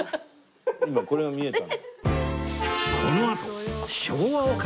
今これが見えた。